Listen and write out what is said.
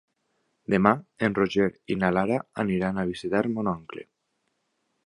Demà en Roger i na Lara aniran a visitar mon oncle.